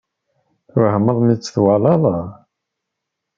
Twehmeḍ mi tt-twalaḍ?